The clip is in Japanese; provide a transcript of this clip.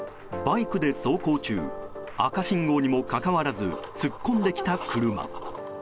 バイクで走行中、赤信号にもかかわらず突っ込んできた車。